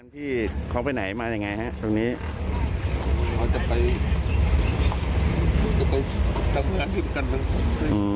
ที่สำนักงานประกันสังคมรจะขึ้นเวลานี้ทุกวันครับแล้วที่เนี้ย